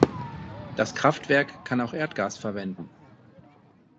Das Kraftwerk kann auch Erdgas verwenden.